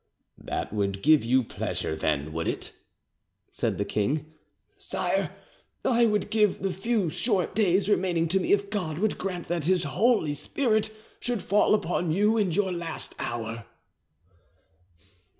"That would give you pleasure, then, would it?" said the king. "Sire, I would give the few short days remaining to me if God would grant that His Holy Spirit should fall upon you in your last hour."